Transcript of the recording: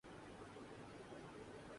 وہ بہت زیادہ مایوس ہوا